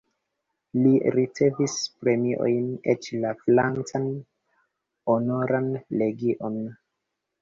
Li ricevis premiojn, eĉ la francan Honoran legion.